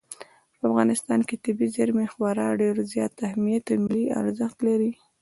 په افغانستان کې طبیعي زیرمې خورا ډېر زیات اهمیت او ملي ارزښت لري.